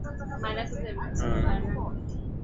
এটায় কাজ হচ্ছে।